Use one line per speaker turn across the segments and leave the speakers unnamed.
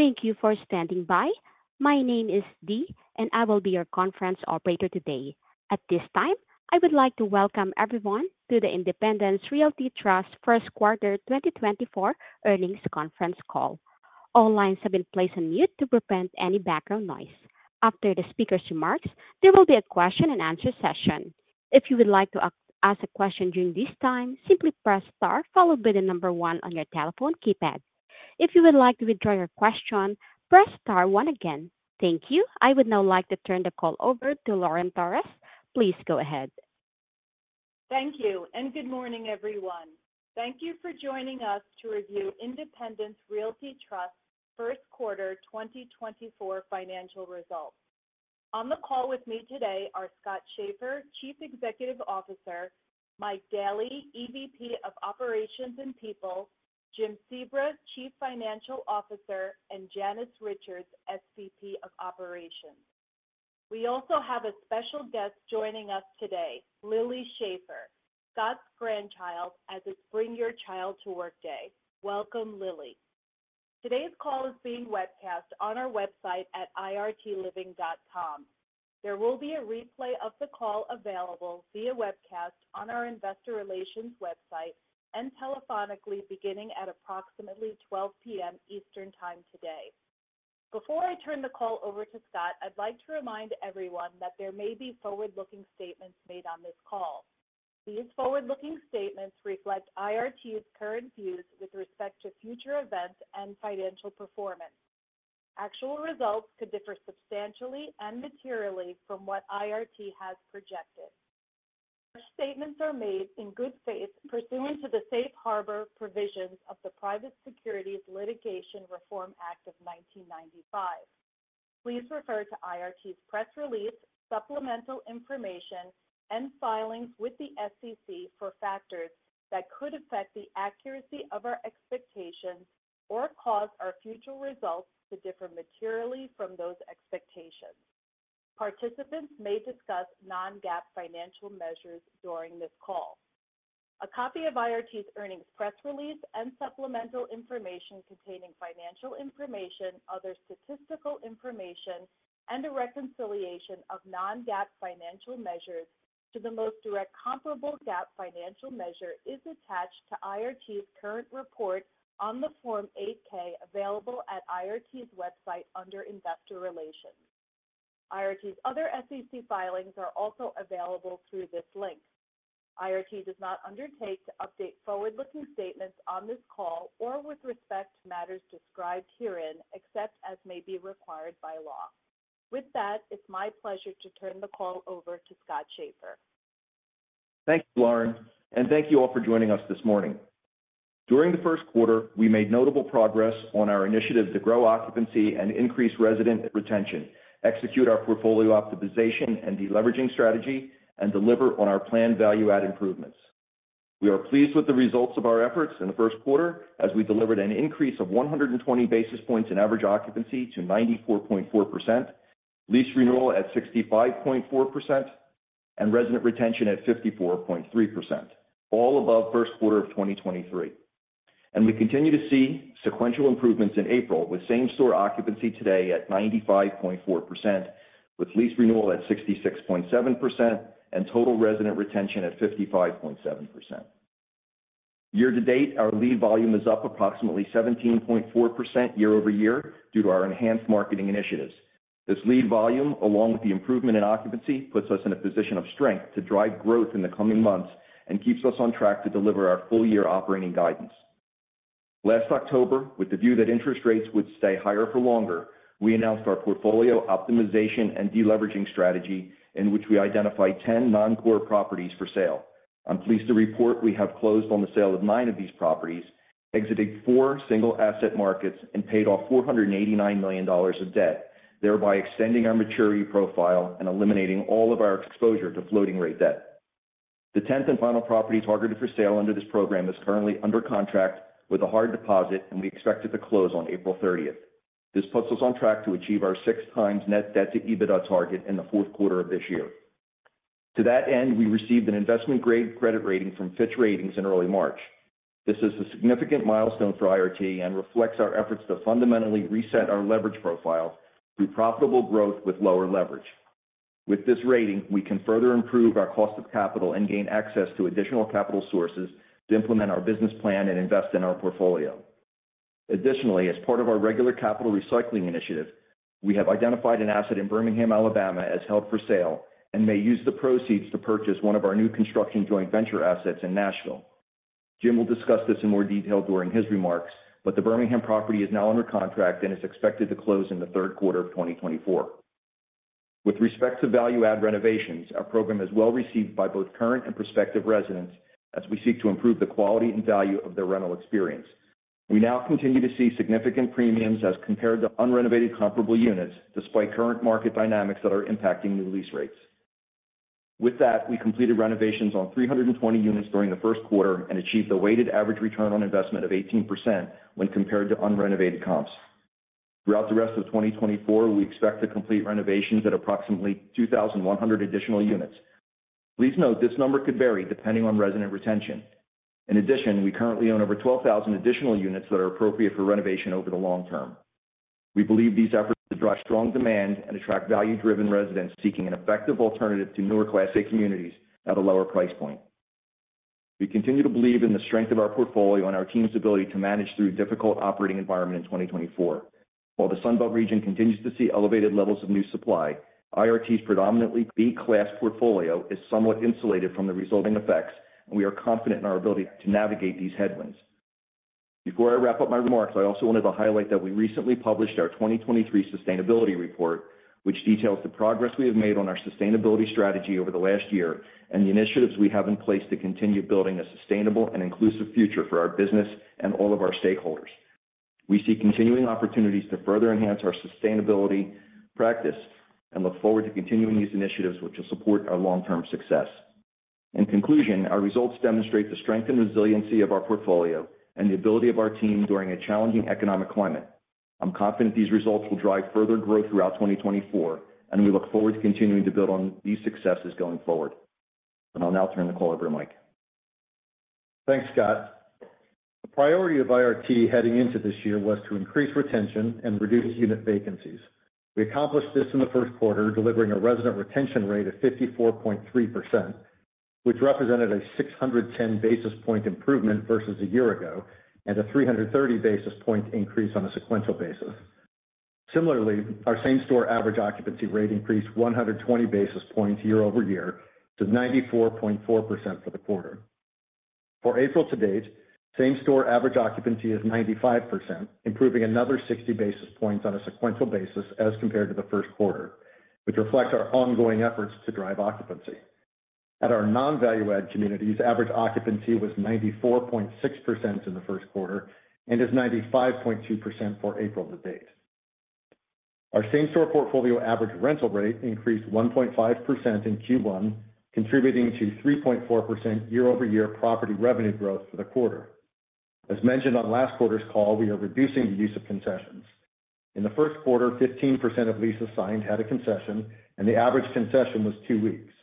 Thank you for standing by. My name is Dee, and I will be your conference operator today. At this time, I would like to welcome everyone to the Independence Realty Trust First Quarter 2024 Earnings Conference Call. All lines have been placed on mute to prevent any background noise. After the speaker's remarks, there will be a question-and-answer session. If you would like to ask a question during this time, simply press star followed by the number one on your telephone keypad. If you would like to withdraw your question, press star one again. Thank you. I would now like to turn the call over to Lauren Torres. Please go ahead.
Thank you, and good morning, everyone. Thank you for joining us to review Independence Realty Trust First Quarter 2024 financial results. On the call with me today are Scott Schaeffer, Chief Executive Officer; Mike Daley, EVP of Operations and People; Jim Sebra, Chief Financial Officer; and Janice Richards, SVP of Operations. We also have a special guest joining us today, Lily Schaeffer, Scott's grandchild at it's Bring Your Child to Work Day. Welcome, Lily. Today's call is being webcast on our website at irtliving.com. There will be a replay of the call available via webcast on our investor relations website and telephonically beginning at approximately 12:00 P.M. Eastern Time today. Before I turn the call over to Scott, I'd like to remind everyone that there may be forward-looking statements made on this call. These forward-looking statements reflect IRT's current views with respect to future events and financial performance. Actual results could differ substantially and materially from what IRT has projected. Such statements are made in good faith pursuant to the Safe Harbor provisions of the Private Securities Litigation Reform Act of 1995. Please refer to IRT's press release, supplemental information, and filings with the SEC for factors that could affect the accuracy of our expectations or cause our future results to differ materially from those expectations. Participants may discuss non-GAAP financial measures during this call. A copy of IRT's earnings press release and supplemental information containing financial information, other statistical information, and a reconciliation of non-GAAP financial measures to the most direct comparable GAAP financial measure is attached to IRT's current report on the Form 8-K available at IRT's website under Investor Relations. IRT's other SEC filings are also available through this link. IRT does not undertake to update forward-looking statements on this call or with respect to matters described herein except as may be required by law. With that, it's my pleasure to turn the call over to Scott Schaeffer.
Thank you, Lauren, and thank you all for joining us this morning. During the first quarter, we made notable progress on our initiative to grow occupancy and increase resident retention, execute our portfolio optimization and deleveraging strategy, and deliver on our planned value-add improvements. We are pleased with the results of our efforts in the first quarter as we delivered an increase of 120 basis points in average occupancy to 94.4%, lease renewal at 65.4%, and resident retention at 54.3%, all above first quarter of 2023. We continue to see sequential improvements in April with same-store occupancy today at 95.4%, with lease renewal at 66.7%, and total resident retention at 55.7%. Year to date, our lead volume is up approximately 17.4% year-over-year due to our enhanced marketing initiatives. This lead volume, along with the improvement in occupancy, puts us in a position of strength to drive growth in the coming months and keeps us on track to deliver our full-year operating guidance. Last October, with the view that interest rates would stay higher for longer, we announced our portfolio optimization and deleveraging strategy in which we identified 10 non-core properties for sale. I'm pleased to report we have closed on the sale of nine of these properties, exited four single asset markets, and paid off $489 million of debt, thereby extending our maturity profile and eliminating all of our exposure to floating-rate debt. The 10th and final property targeted for sale under this program is currently under contract with a hard deposit, and we expect it to close on April 30th. This puts us on track to achieve our 6x net debt to EBITDA target in the fourth quarter of this year. To that end, we received an investment-grade credit rating from Fitch Ratings in early March. This is a significant milestone for IRT and reflects our efforts to fundamentally reset our leverage profile through profitable growth with lower leverage. With this rating, we can further improve our cost of capital and gain access to additional capital sources to implement our business plan and invest in our portfolio. Additionally, as part of our regular capital recycling initiative, we have identified an asset in Birmingham, Alabama, as held for sale and may use the proceeds to purchase one of our new construction joint venture assets in Nashville. Jim will discuss this in more detail during his remarks, but the Birmingham property is now under contract and is expected to close in the third quarter of 2024. With respect to value-add renovations, our program is well received by both current and prospective residents as we seek to improve the quality and value of their rental experience. We now continue to see significant premiums as compared to unrenovated comparable units despite current market dynamics that are impacting new lease rates. With that, we completed renovations on 320 units during the first quarter and achieved a weighted average return on investment of 18% when compared to unrenovated comps. Throughout the rest of 2024, we expect to complete renovations at approximately 2,100 additional units. Please note this number could vary depending on resident retention. In addition, we currently own over 12,000 additional units that are appropriate for renovation over the long term. We believe these efforts to drive strong demand and attract value-driven residents seeking an effective alternative to newer Class A communities at a lower price point. We continue to believe in the strength of our portfolio and our team's ability to manage through a difficult operating environment in 2024. While the Sunbelt region continues to see elevated levels of new supply, IRT's predominantly B-class portfolio is somewhat insulated from the resulting effects, and we are confident in our ability to navigate these headwinds. Before I wrap up my remarks, I also wanted to highlight that we recently published our 2023 sustainability report, which details the progress we have made on our sustainability strategy over the last year and the initiatives we have in place to continue building a sustainable and inclusive future for our business and all of our stakeholders. We see continuing opportunities to further enhance our sustainability practice and look forward to continuing these initiatives, which will support our long-term success. In conclusion, our results demonstrate the strength and resiliency of our portfolio and the ability of our team during a challenging economic climate. I'm confident these results will drive further growth throughout 2024, and we look forward to continuing to build on these successes going forward. And I'll now turn the call over to Mike.
Thanks, Scott. The priority of IRT heading into this year was to increase retention and reduce unit vacancies. We accomplished this in the first quarter, delivering a resident retention rate of 54.3%, which represented a 610 basis point improvement versus a year ago and a 330 basis point increase on a sequential basis. Similarly, our same-store average occupancy rate increased 120 basis points year-over-year to 94.4% for the quarter. For April to date, same-store average occupancy is 95%, improving another 60 basis points on a sequential basis as compared to the first quarter, which reflects our ongoing efforts to drive occupancy. At our non-value-add communities, average occupancy was 94.6% in the first quarter and is 95.2% for April to date. Our same-store portfolio average rental rate increased 1.5% in Q1, contributing to 3.4% year-over-year property revenue growth for the quarter. As mentioned on last quarter's call, we are reducing the use of concessions. In the first quarter, 15% of leases signed had a concession, and the average concession was two weeks.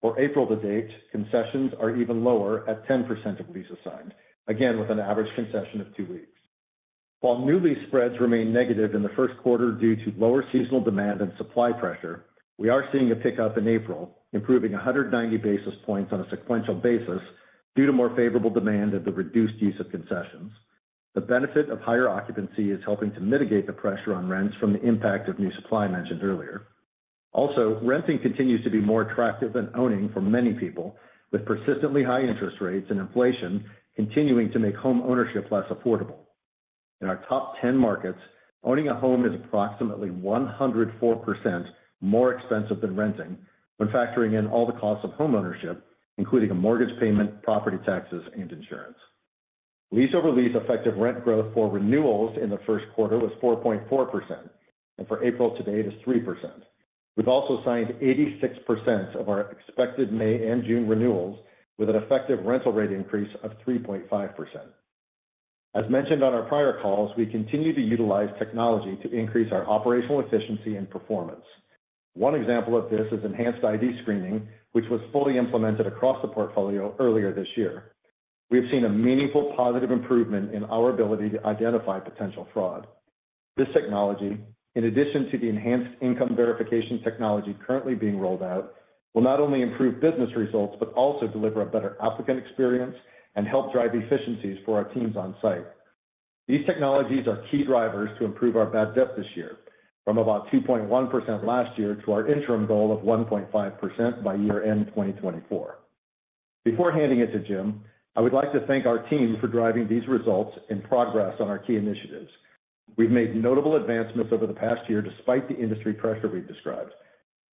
For April to date, concessions are even lower at 10% of leases signed, again with an average concession of two weeks. While new lease spreads remain negative in the first quarter due to lower seasonal demand and supply pressure, we are seeing a pickup in April, improving 190 basis points on a sequential basis due to more favorable demand and the reduced use of concessions. The benefit of higher occupancy is helping to mitigate the pressure on rents from the impact of new supply mentioned earlier. Also, renting continues to be more attractive than owning for many people, with persistently high interest rates and inflation continuing to make home ownership less affordable. In our top 10 markets, owning a home is approximately 104% more expensive than renting when factoring in all the costs of home ownership, including a mortgage payment, property taxes, and insurance. Lease over lease effective rent growth for renewals in the first quarter was 4.4%, and for April to date is 3%. We've also signed 86% of our expected May and June renewals with an effective rental rate increase of 3.5%. As mentioned on our prior calls, we continue to utilize technology to increase our operational efficiency and performance. One example of this is enhanced ID screening, which was fully implemented across the portfolio earlier this year. We have seen a meaningful positive improvement in our ability to identify potential fraud. This technology, in addition to the enhanced income verification technology currently being rolled out, will not only improve business results but also deliver a better applicant experience and help drive efficiencies for our teams on site. These technologies are key drivers to improve our bad debt this year, from about 2.1% last year to our interim goal of 1.5% by year-end 2024. Before handing it to Jim, I would like to thank our team for driving these results and progress on our key initiatives. We've made notable advancements over the past year despite the industry pressure we've described.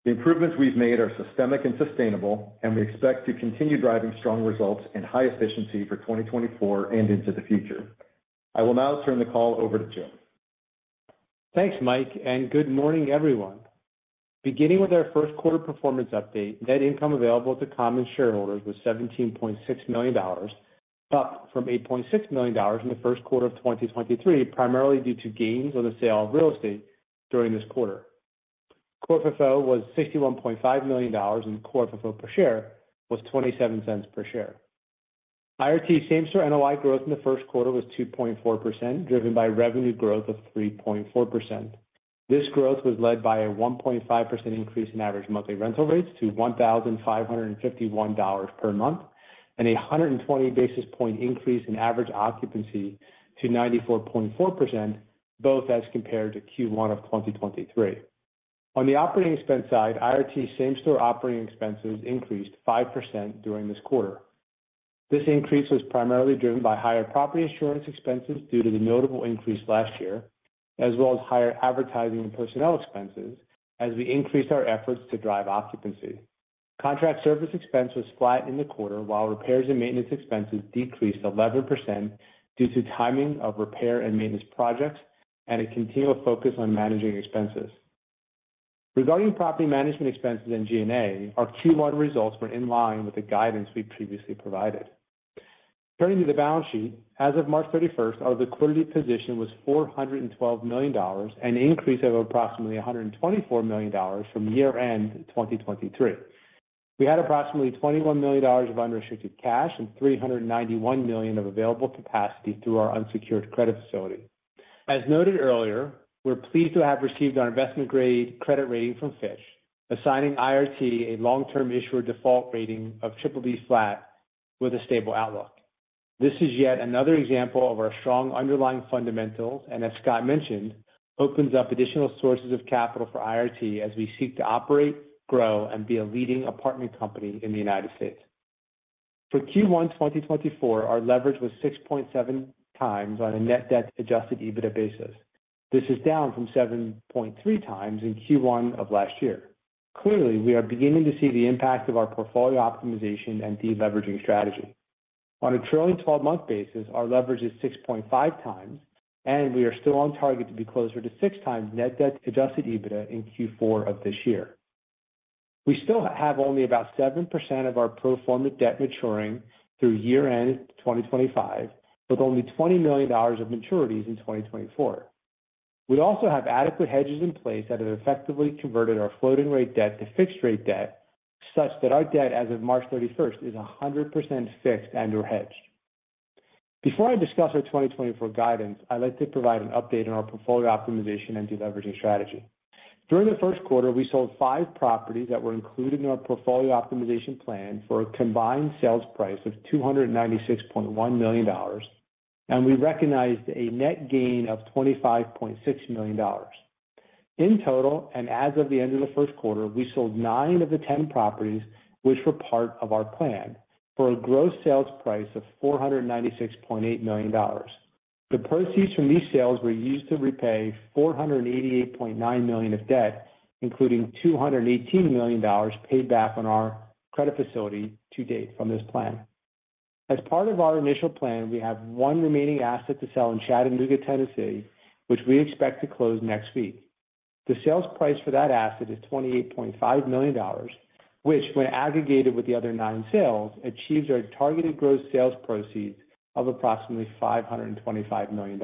The improvements we've made are systemic and sustainable, and we expect to continue driving strong results and high efficiency for 2024 and into the future. I will now turn the call over to Jim.
Thanks, Mike, and good morning, everyone. Beginning with our first quarter performance update, net income available to common shareholders was $17.6 million, up from $8.6 million in the first quarter of 2023 primarily due to gains on the sale of real estate during this quarter. Core FFO was $61.5 million, and core FFO per share was $0.27 per share. IRT's same-store NOI growth in the first quarter was 2.4%, driven by revenue growth of 3.4%. This growth was led by a 1.5% increase in average monthly rental rates to $1,551 per month and a 120 basis points increase in average occupancy to 94.4%, both as compared to Q1 of 2023. On the operating expense side, IRT's same-store operating expenses increased 5% during this quarter. This increase was primarily driven by higher property insurance expenses due to the notable increase last year, as well as higher advertising and personnel expenses as we increased our efforts to drive occupancy. Contract service expense was flat in the quarter, while repairs and maintenance expenses decreased 11% due to timing of repair and maintenance projects and a continual focus on managing expenses. Regarding property management expenses and G&A, our Q1 results were in line with the guidance we previously provided. Turning to the balance sheet, as of March 31st, our liquidity position was $412 million, an increase of approximately $124 million from year-end 2023. We had approximately $21 million of unrestricted cash and $391 million of available capacity through our unsecured credit facility. As noted earlier, we're pleased to have received our investment-grade credit rating from Fitch, assigning IRT a long-term issuer default rating of BBB flat with a stable outlook. This is yet another example of our strong underlying fundamentals and, as Scott mentioned, opens up additional sources of capital for IRT as we seek to operate, grow, and be a leading apartment company in the United States. For Q1 2024, our leverage was 6.7x on a net debt adjusted EBITDA basis. This is down from 7.3x in Q1 of last year. Clearly, we are beginning to see the impact of our portfolio optimization and deleveraging strategy. On a trailing 12-month basis, our leverage is 6.5x, and we are still on target to be closer to 6x net debt adjusted EBITDA in Q4 of this year. We still have only about 7% of our pro forma debt maturing through year-end 2025, with only $20 million of maturities in 2024. We also have adequate hedges in place that have effectively converted our floating-rate debt to fixed-rate debt such that our debt as of March 31st is 100% fixed and/or hedged. Before I discuss our 2024 guidance, I'd like to provide an update on our portfolio optimization and deleveraging strategy. During the first quarter, we sold five properties that were included in our portfolio optimization plan for a combined sales price of $296.1 million, and we recognized a net gain of $25.6 million. In total, and as of the end of the first quarter, we sold nine of the 10 properties, which were part of our plan, for a gross sales price of $496.8 million. The proceeds from these sales were used to repay $488.9 million of debt, including $218 million paid back on our credit facility to date from this plan. As part of our initial plan, we have one remaining asset to sell in Chattanooga, Tennessee, which we expect to close next week. The sales price for that asset is $28.5 million, which, when aggregated with the other nine sales, achieves our targeted gross sales proceeds of approximately $525 million.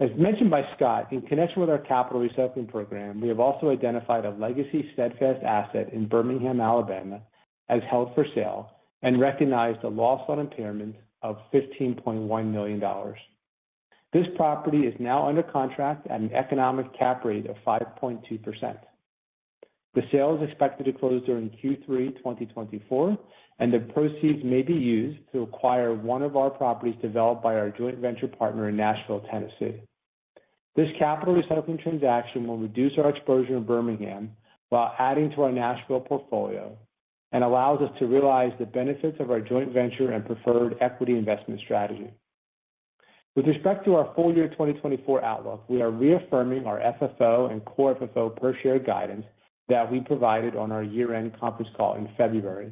As mentioned by Scott, in connection with our capital recycling program, we have also identified a legacy Steadfast asset in Birmingham, Alabama, as held for sale and recognized a loss on impairment of $15.1 million. This property is now under contract at an economic cap rate of 5.2%. The sale is expected to close during Q3 2024, and the proceeds may be used to acquire one of our properties developed by our joint venture partner in Nashville, Tennessee. This capital recycling transaction will reduce our exposure in Birmingham while adding to our Nashville portfolio and allows us to realize the benefits of our joint venture and preferred equity investment strategy. With respect to our full year 2024 outlook, we are reaffirming our FFO and core FFO per share guidance that we provided on our year-end conference call in February,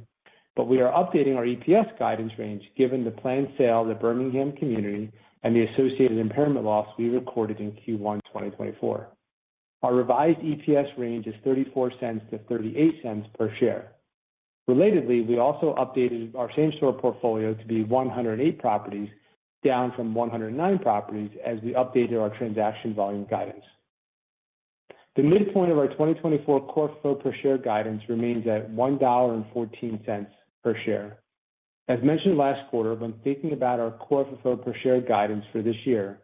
but we are updating our EPS guidance range given the planned sale to Birmingham community and the associated impairment loss we recorded in Q1 2024. Our revised EPS range is $0.34-$0.38 per share. Relatedly, we also updated our same-store portfolio to be 108 properties, down from 109 properties as we updated our transaction volume guidance. The midpoint of our 2024 Core FFO per share guidance remains at $1.14 per share. As mentioned last quarter, when thinking about our Core FFO per share guidance for this year,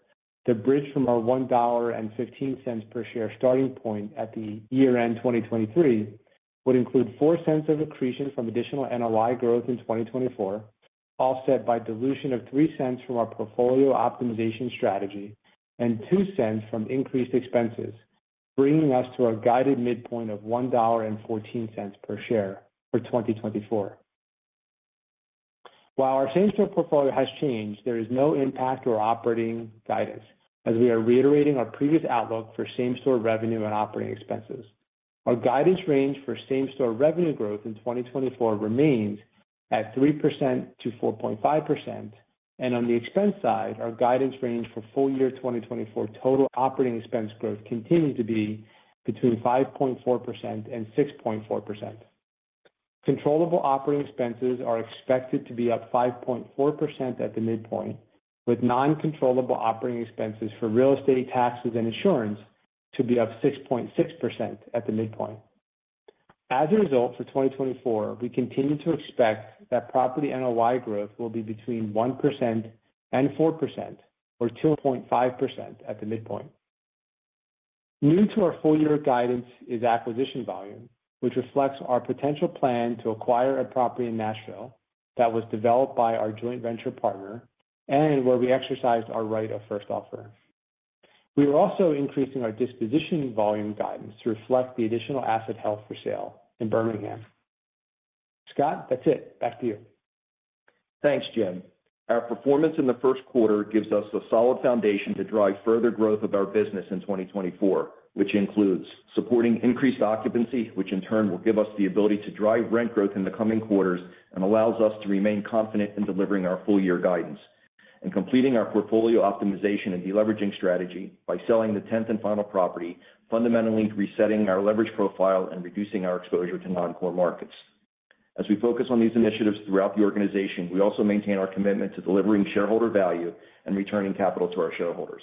the bridge from our $1.15 per share starting point at the year-end 2023 would include $0.04 of accretion from additional NOI growth in 2024, offset by dilution of $0.03 from our portfolio optimization strategy and $0.02 from increased expenses, bringing us to our guided midpoint of $1.14 per share for 2024. While our same-store portfolio has changed, there is no impact to our operating guidance as we are reiterating our previous outlook for same-store revenue and operating expenses. Our guidance range for same-store revenue growth in 2024 remains at 3%-4.5%, and on the expense side, our guidance range for full year 2024 total operating expense growth continues to be between 5.4% and 6.4%. Controllable operating expenses are expected to be up 5.4% at the midpoint, with non-controllable operating expenses for real estate taxes and insurance to be up 6.6% at the midpoint. As a result, for 2024, we continue to expect that property NOI growth will be between 1% and 4% or 2.5% at the midpoint. New to our full year guidance is acquisition volume, which reflects our potential plan to acquire a property in Nashville that was developed by our joint venture partner and where we exercised our right of first offer. We are also increasing our disposition volume guidance to reflect the additional asset held for sale in Birmingham. Scott, that's it. Back to you.
Thanks, Jim. Our performance in the first quarter gives us a solid foundation to drive further growth of our business in 2024, which includes supporting increased occupancy, which in turn will give us the ability to drive rent growth in the coming quarters and allows us to remain confident in delivering our full year guidance, and completing our portfolio optimization and deleveraging strategy by selling the 10th and final property, fundamentally resetting our leverage profile and reducing our exposure to non-core markets. As we focus on these initiatives throughout the organization, we also maintain our commitment to delivering shareholder value and returning capital to our shareholders.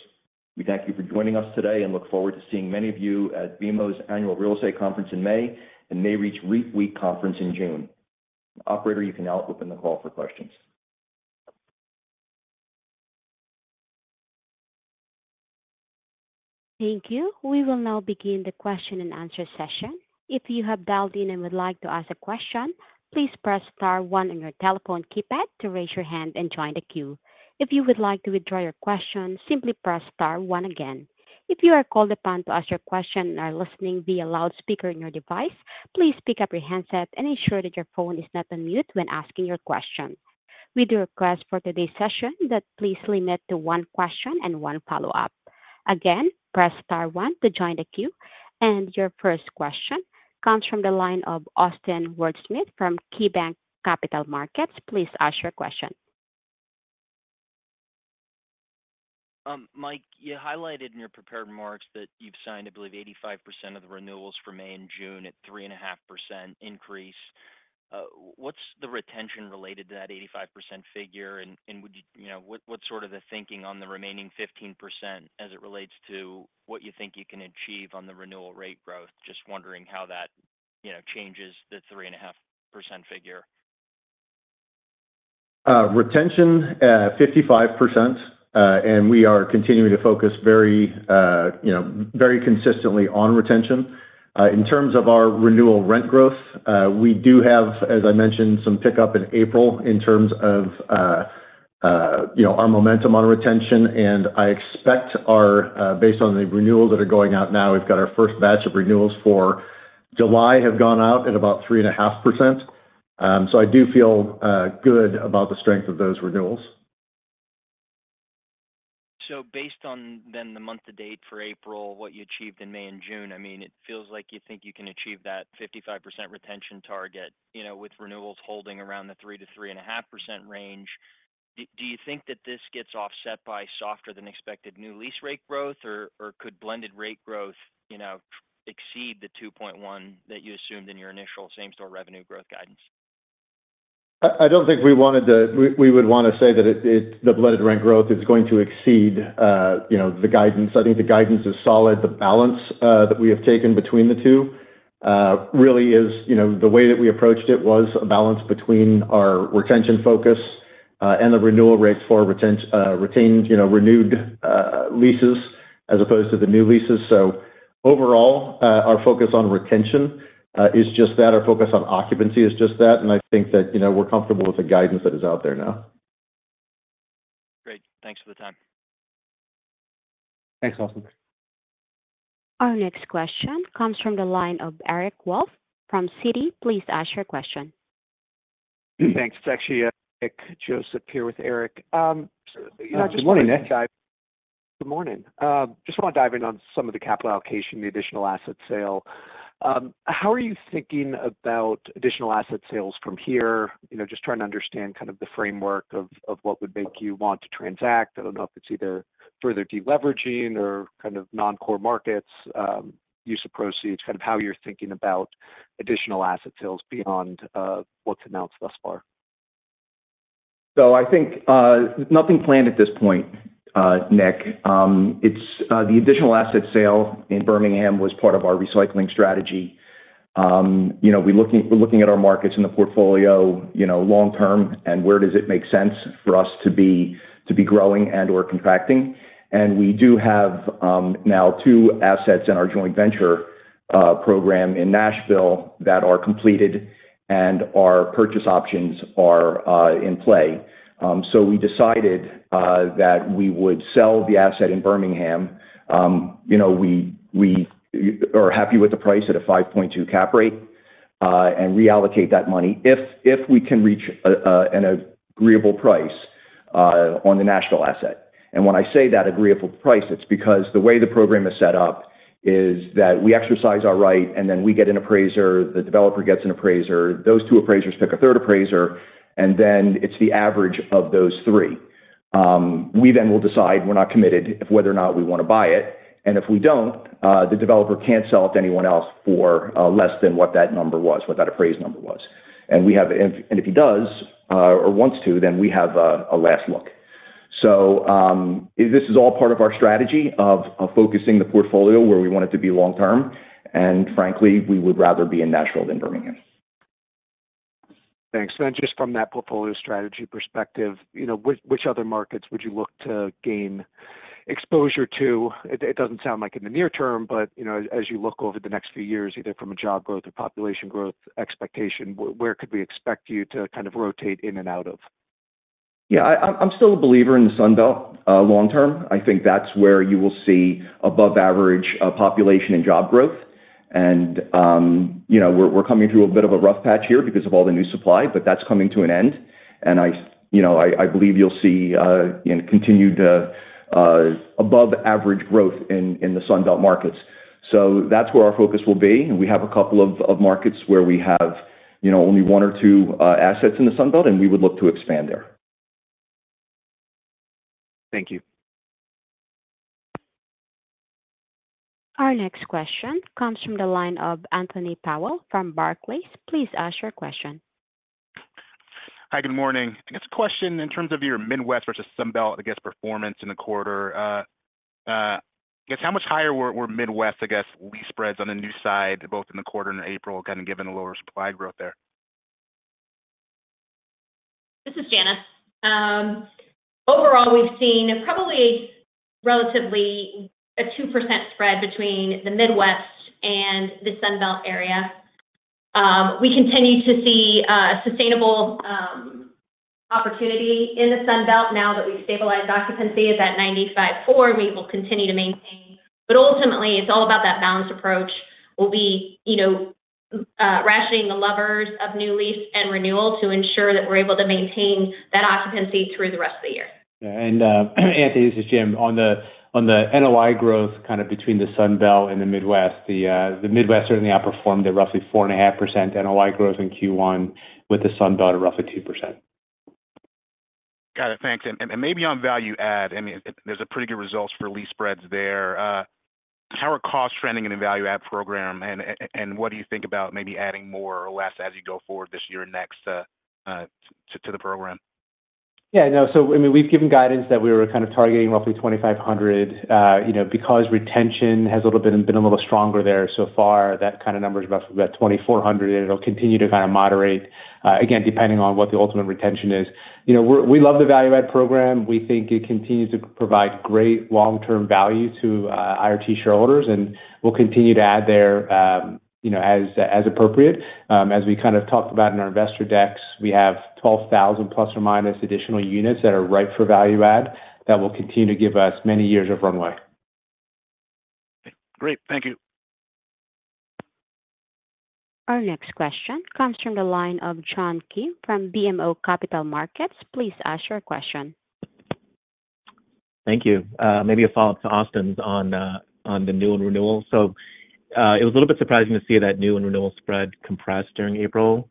We thank you for joining us today and look forward to seeing many of you at BMO's annual real estate conference in May and Nareit's Week conference in June. Operator, you can now open the call for questions.
Thank you. We will now begin the question-and-answer session. If you have dialed in and would like to ask a question, please press star one on your telephone keypad to raise your hand and join the queue. If you would like to withdraw your question, simply press star one again. If you are called upon to ask your question and are listening via loudspeaker in your device, please pick up your handset and ensure that your phone is not on mute when asking your question. We do request for today's session that please limit to one question and one follow-up. Again, press star one to join the queue, and your first question comes from the line of Austin Wurschmidt from KeyBanc Capital Markets. Please ask your question.
Mike, you highlighted in your prepared remarks that you've signed, I believe, 85% of the renewals for May and June at 3.5% increase. What's the retention related to that 85% figure, and what's sort of the thinking on the remaining 15% as it relates to what you think you can achieve on the renewal rate growth? Just wondering how that changes the 3.5% figure.
Retention, 55%, and we are continuing to focus very consistently on retention. In terms of our renewal rent growth, we do have, as I mentioned, some pickup in April in terms of our momentum on retention, and I expect our based on the renewals that are going out now, we've got our first batch of renewals for July have gone out at about 3.5%. So I do feel good about the strength of those renewals.
Based on the month-to-date for April, what you achieved in May and June, I mean, it feels like you think you can achieve that 55% retention target with renewals holding around the 3%-3.5% range. Do you think that this gets offset by softer-than-expected new lease rate growth, or could blended rate growth exceed the 2.1 that you assumed in your initial same-store revenue growth guidance?
I don't think we would want to say that the blended rent growth is going to exceed the guidance. I think the guidance is solid. The balance that we have taken between the two really is the way that we approached it was a balance between our retention focus and the renewal rates for renewed leases as opposed to the new leases. So overall, our focus on retention is just that. Our focus on occupancy is just that, and I think that we're comfortable with the guidance that is out there now.
Great. Thanks for the time.
Thanks, Austin.
Our next question comes from the line of Eric Wolfe from Citi. Please ask your question.
Thanks. It's actually Nick Joseph here with Eric.
Good morning, Nick.
Good morning. Just want to dive in on some of the capital allocation, the additional asset sale. How are you thinking about additional asset sales from here? Just trying to understand kind of the framework of what would make you want to transact. I don't know if it's either further deleveraging or kind of non-core markets, use of proceeds, kind of how you're thinking about additional asset sales beyond what's announced thus far.
So I think there's nothing planned at this point, Nick. The additional asset sale in Birmingham was part of our recycling strategy. We're looking at our markets in the portfolio long-term and where does it make sense for us to be growing and/or contracting. And we do have now two assets in our joint venture program in Nashville that are completed and our purchase options are in play. So we decided that we would sell the asset in Birmingham. We are happy with the price at a 5.2 cap rate and reallocate that money if we can reach an agreeable price on the Nashville asset. When I say that agreeable price, it's because the way the program is set up is that we exercise our right, and then we get an appraiser, the developer gets an appraiser, those two appraisers pick a third appraiser, and then it's the average of those three. We then will decide, we're not committed, whether or not we want to buy it. If we don't, the developer can't sell it to anyone else for less than what that appraised number was. If he does or wants to, then we have a last look. This is all part of our strategy of focusing the portfolio where we want it to be long-term. Frankly, we would rather be in Nashville than Birmingham.
Thanks. Then just from that portfolio strategy perspective, which other markets would you look to gain exposure to? It doesn't sound like in the near term, but as you look over the next few years, either from a job growth or population growth expectation, where could we expect you to kind of rotate in and out of?
Yeah. I'm still a believer in the Sunbelt long-term. I think that's where you will see above-average population and job growth. We're coming through a bit of a rough patch here because of all the new supply, but that's coming to an end. I believe you'll see continued above-average growth in the Sunbelt markets. That's where our focus will be. We have a couple of markets where we have only one or two assets in the Sunbelt, and we would look to expand there.
Thank you.
Our next question comes from the line of Anthony Powell from Barclays. Please ask your question.
Hi. Good morning. I guess a question in terms of your Midwest versus Sunbelt, I guess, performance in the quarter. I guess how much higher were Midwest, I guess, lease spreads on the new side, both in the quarter and April, kind of given the lower supply growth there?
This is Janice. Overall, we've seen probably a relatively 2% spread between the Midwest and the Sunbelt area. We continue to see sustainable opportunity in the Sunbelt now that we've stabilized occupancy at that 95.4%. We will continue to maintain. But ultimately, it's all about that balanced approach. We'll be rationing the levers of new lease and renewal to ensure that we're able to maintain that occupancy through the rest of the year.
Yeah. Anthony, this is Jim. On the NOI growth kind of between the Sunbelt and the Midwest, the Midwest certainly outperformed at roughly 4.5% NOI growth in Q1 with the Sunbelt at roughly 2%.
Got it. Thanks. And maybe on value add, I mean, there's a pretty good results for lease spreads there. How are costs trending in the value add program, and what do you think about maybe adding more or less as you go forward this year and next to the program?
Yeah. No. So I mean, we've given guidance that we were kind of targeting roughly 2,500. Because retention has been a little stronger there so far, that kind of number is about 2,400, and it'll continue to kind of moderate, again, depending on what the ultimate retention is. We love the value add program. We think it continues to provide great long-term value to IRT shareholders, and we'll continue to add there as appropriate. As we kind of talked about in our investor decks, we have 12,000 plus or minus additional units that are right for value add that will continue to give us many years of runway.
Great. Thank you.
Our next question comes from the line of John Kim from BMO Capital Markets. Please ask your question.
Thank you. Maybe a follow-up to Austin's on the new and renewal. So it was a little bit surprising to see that new and renewal spread compressed during April.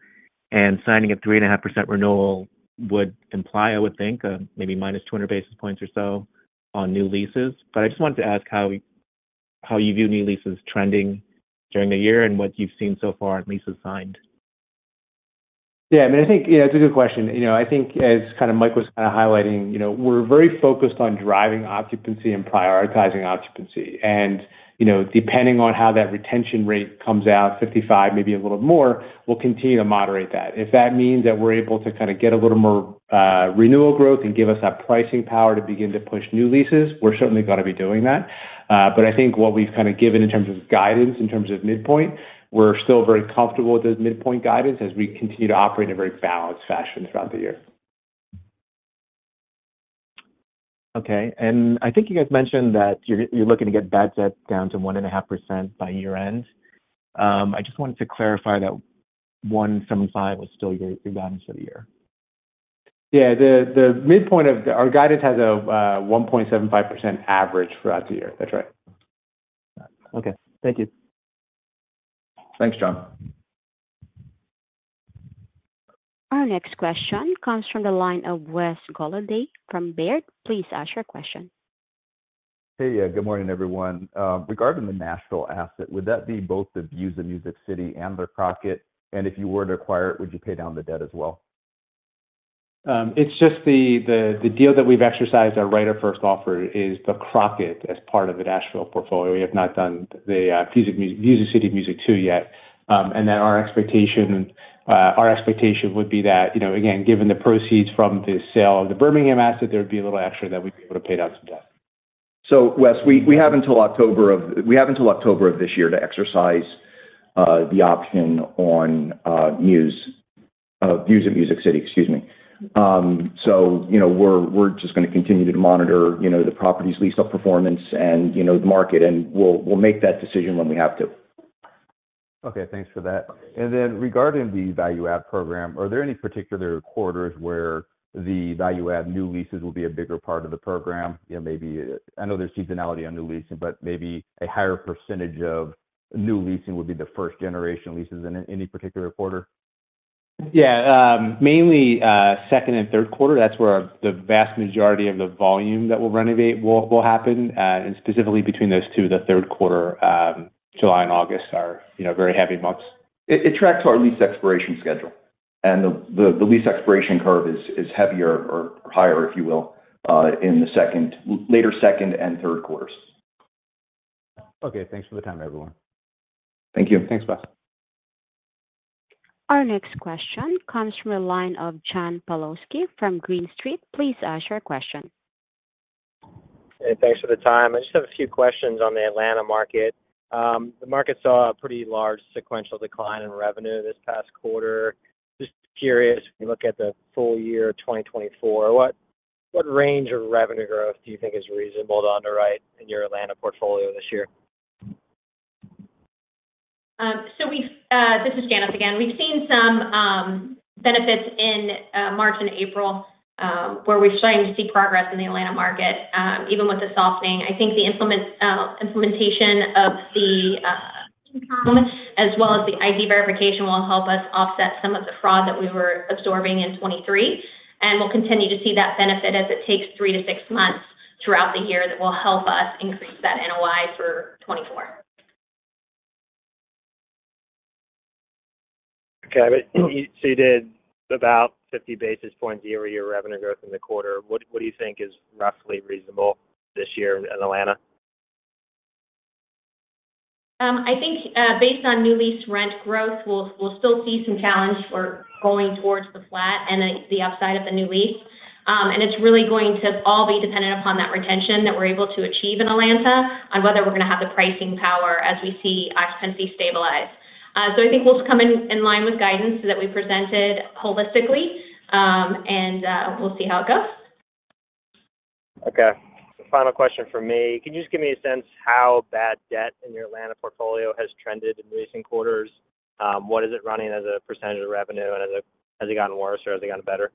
And signing a 3.5% renewal would imply, I would think, maybe minus 200 basis points or so on new leases. But I just wanted to ask how you view new leases trending during the year and what you've seen so far in leases signed.
Yeah. I mean, I think it's a good question. I think, as kind of Mike was kind of highlighting, we're very focused on driving occupancy and prioritizing occupancy. And depending on how that retention rate comes out, 55, maybe a little more, we'll continue to moderate that. If that means that we're able to kind of get a little more renewal growth and give us that pricing power to begin to push new leases, we're certainly going to be doing that. But I think what we've kind of given in terms of guidance, in terms of midpoint, we're still very comfortable with those midpoint guidance as we continue to operate in a very balanced fashion throughout the year.
Okay. I think you guys mentioned that you're looking to get bad debt down to 1.5% by year-end. I just wanted to clarify that 1.75% was still your guidance for the year.
Yeah. The midpoint of our guidance has a 1.75% average throughout the year. That's right.
Okay. Thank you.
Thanks, John.
Our next question comes from the line of Wes Golladay from Baird. Please ask your question.
Hey. Good morning, everyone. Regarding the Nashville asset, would that be both the Views of Music City and the Crockett? And if you were to acquire it, would you pay down the debt as well?
It's just the deal that we've exercised, our right-of-first offer, is the Crockett as part of the Nashville portfolio. We have not done the Views of Music City yet. And then our expectation would be that, again, given the proceeds from the sale of the Birmingham asset, there would be a little extra that we'd be able to pay down some debt.
So Wes, we have until October of this year to exercise the option on Views of Music City, excuse me. So we're just going to continue to monitor the property's lease-up performance and the market, and we'll make that decision when we have to.
Okay. Thanks for that. And then regarding the value add program, are there any particular quarters where the value add new leases will be a bigger part of the program? I know there's seasonality on new leasing, but maybe a higher percentage of new leasing would be the first-generation leases in any particular quarter?
Yeah. Mainly second and third quarter. That's where the vast majority of the volume that we'll renovate will happen. Specifically between those two, the third quarter, July and August are very heavy months.
It tracks to our lease expiration schedule. The lease expiration curve is heavier or higher, if you will, in the later second and third quarters.
Okay. Thanks for the time, everyone.
Thank you.
Thanks, Wes.
Our next question comes from the line of John Pawlowski from Green Street. Please ask your question.
Hey. Thanks for the time. I just have a few questions on the Atlanta market. The market saw a pretty large sequential decline in revenue this past quarter. Just curious, if we look at the full year 2024, what range of revenue growth do you think is reasonable to underwrite in your Atlanta portfolio this year?
This is Janice again. We've seen some benefits in March and April where we're starting to see progress in the Atlanta market even with the softening. I think the implementation of the income as well as the ID verification will help us offset some of the fraud that we were absorbing in 2023. We'll continue to see that benefit as it takes three to six months throughout the year that will help us increase that NOI for 2024.
Okay. So you did about 50 basis points year-over-year revenue growth in the quarter. What do you think is roughly reasonable this year in Atlanta?
I think based on new lease rent growth, we'll still see some challenge for going towards the flat and the upside of the new lease. It's really going to all be dependent upon that retention that we're able to achieve in Atlanta on whether we're going to have the pricing power as we see occupancy stabilize. I think we'll come in line with guidance that we presented holistically, and we'll see how it goes.
Okay. Final question from me. Can you just give me a sense how bad debt in your Atlanta portfolio has trended in recent quarters? What is it running as a percentage of revenue, and has it gotten worse or has it gotten better?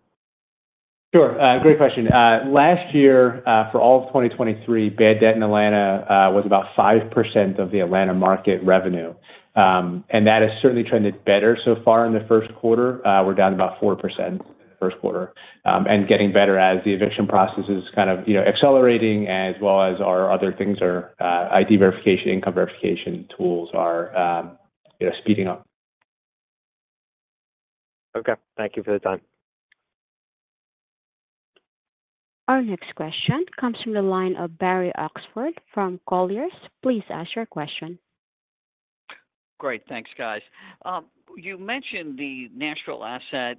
Sure. Great question. Last year, for all of 2023, bad debt in Atlanta was about 5% of the Atlanta market revenue. That has certainly trended better so far in the first quarter. We're down to about 4% in the first quarter and getting better as the eviction process is kind of accelerating as well as our other things, our ID verification, income verification tools are speeding up.
Okay. Thank you for the time.
Our next question comes from the line of Barry Oxford from Colliers. Please ask your question.
Great. Thanks, guys. You mentioned the Nashville asset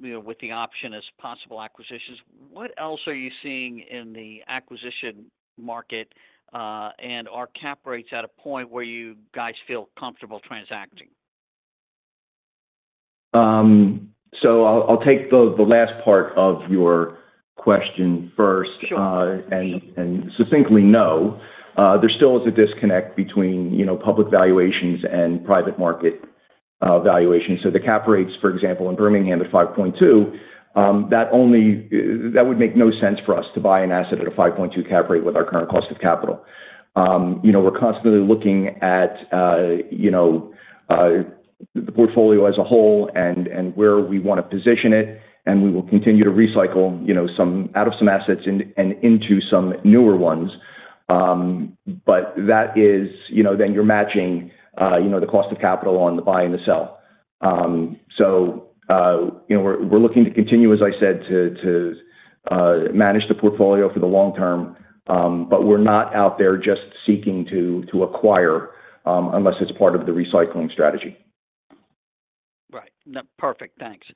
with the option as possible acquisitions. What else are you seeing in the acquisition market? And are cap rates at a point where you guys feel comfortable transacting?
So I'll take the last part of your question first and succinctly, no. There still is a disconnect between public valuations and private market valuations. So the cap rates, for example, in Birmingham at 5.2, that would make no sense for us to buy an asset at a 5.2 cap rate with our current cost of capital. We're constantly looking at the portfolio as a whole and where we want to position it. And we will continue to recycle out of some assets and into some newer ones. But then you're matching the cost of capital on the buy and the sell. So we're looking to continue, as I said, to manage the portfolio for the long term. But we're not out there just seeking to acquire unless it's part of the recycling strategy.
Right. Perfect. Thanks.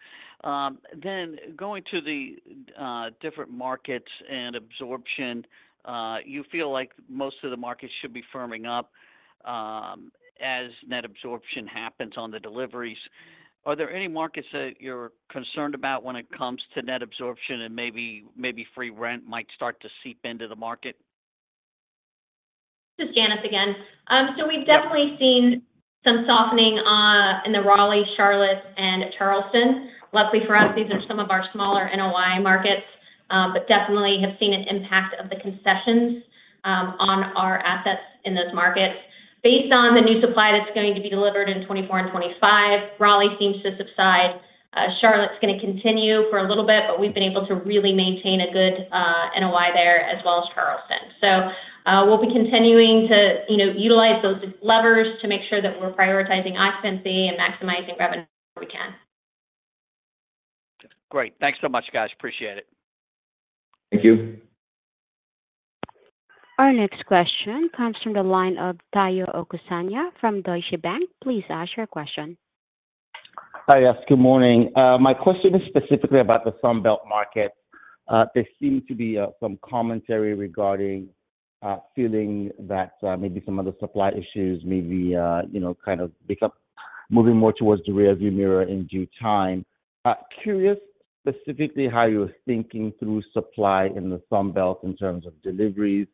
Then going to the different markets and absorption, you feel like most of the markets should be firming up as net absorption happens on the deliveries. Are there any markets that you're concerned about when it comes to net absorption and maybe free rent might start to seep into the market?
This is Janice again. So we've definitely seen some softening in the Raleigh, Charlotte, and Charleston. Luckily for us, these are some of our smaller NOI markets, but definitely have seen an impact of the concessions on our assets in those markets. Based on the new supply that's going to be delivered in 2024 and 2025, Raleigh seems to subside. Charlotte's going to continue for a little bit, but we've been able to really maintain a good NOI there as well as Charleston. So we'll be continuing to utilize those levers to make sure that we're prioritizing occupancy and maximizing revenue where we can.
Great. Thanks so much, guys. Appreciate it.
Thank you.
Our next question comes from the line of Tayo Okusanya from Deutsche Bank. Please ask your question.
Hi, yes. Good morning. My question is specifically about the Sunbelt market. There seemed to be some commentary regarding feeling that maybe some of the supply issues maybe kind of moving more towards the rearview mirror in due time. Curious specifically how you're thinking through supply in the Sunbelt in terms of deliveries,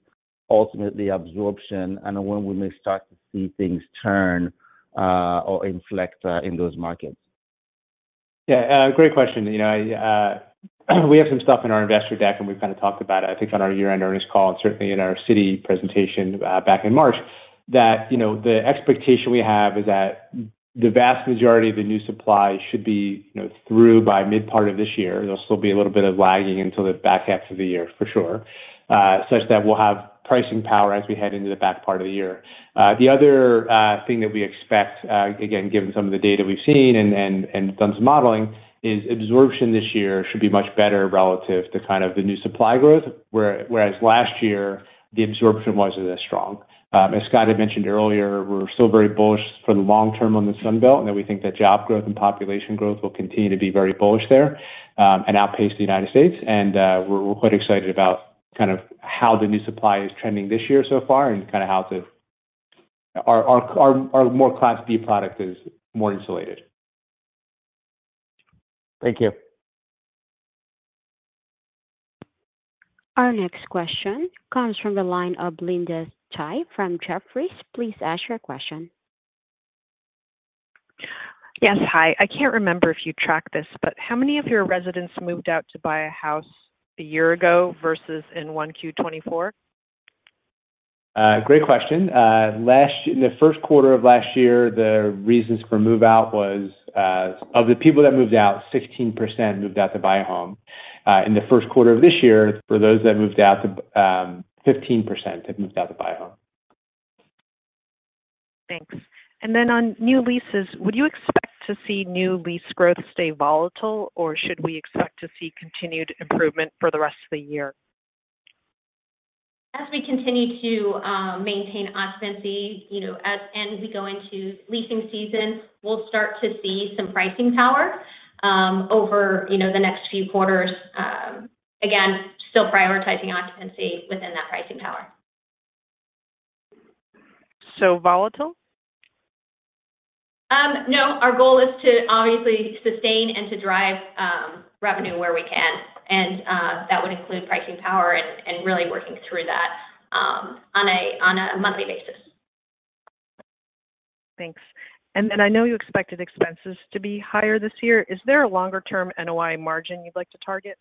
ultimately absorption, and when we may start to see things turn or inflect in those markets?
Yeah. Great question. We have some stuff in our investor deck, and we've kind of talked about it, I think, on our year-end earnings call and certainly in our Citi presentation back in March, that the expectation we have is that the vast majority of the new supply should be through by mid-part of this year. There'll still be a little bit of lagging until the back half of the year, for sure, such that we'll have pricing power as we head into the back part of the year. The other thing that we expect, again, given some of the data we've seen and done some modeling, is absorption this year should be much better relative to kind of the new supply growth, whereas last year, the absorption wasn't as strong. As Scott had mentioned earlier, we're still very bullish for the long term on the Sunbelt and that we think that job growth and population growth will continue to be very bullish there and outpace the United States. We're quite excited about kind of how the new supply is trending this year so far and kind of how our more Class B product is more insulated.
Thank you.
Our next question comes from the line of Linda Tsai from Jefferies. Please ask your question.
Yes. Hi. I can't remember if you track this, but how many of your residents moved out to buy a house a year ago versus in 1Q24?
Great question. In the first quarter of last year, the reasons for move-out was, of the people that moved out, 16% moved out to buy a home. In the first quarter of this year, for those that moved out, 15% have moved out to buy a home.
Thanks. And then on new leases, would you expect to see new lease growth stay volatile, or should we expect to see continued improvement for the rest of the year?
As we continue to maintain occupancy and we go into leasing season, we'll start to see some pricing power over the next few quarters. Again, still prioritizing occupancy within that pricing power.
So volatile?
No. Our goal is to obviously sustain and to drive revenue where we can. That would include pricing power and really working through that on a monthly basis.
Thanks. Then I know you expected expenses to be higher this year. Is there a longer-term NOI margin you'd like to target?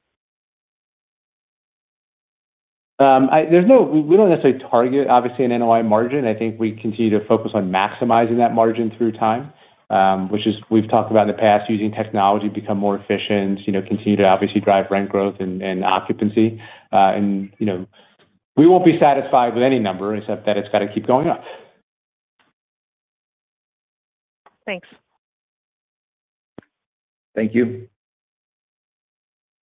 We don't necessarily target, obviously, an NOI margin. I think we continue to focus on maximizing that margin through time, which we've talked about in the past, using technology, become more efficient, continue to obviously drive rent growth and occupancy. We won't be satisfied with any number except that it's got to keep going up.
Thanks.
Thank you.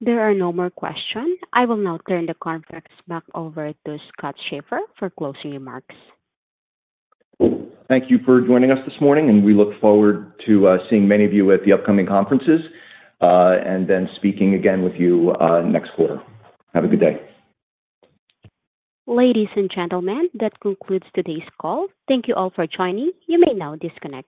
There are no more questions. I will now turn the conference back over to Scott Schaeffer for closing remarks.
Thank you for joining us this morning, and we look forward to seeing many of you at the upcoming conferences and then speaking again with you next quarter. Have a good day.
Ladies and gentlemen, that concludes today's call. Thank you all for joining. You may now disconnect.